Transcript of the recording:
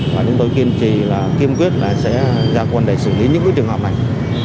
và chúng tôi kiên trì và kiên quyết sẽ ra quân để xử lý những trường hợp này